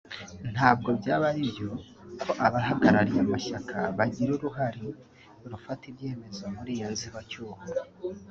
ntabwo byaba aribyo ko abahagarariye amashyaka bagira uruhari rufata ibyemezo mur’iyo nzibacyuho